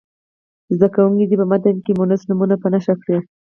زده کوونکي دې په متن کې مونث نومونه په نښه کړي.